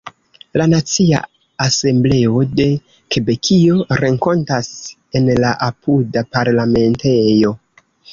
La Nacia Asembleo de Kebekio renkontas en la apuda Parlamentejo.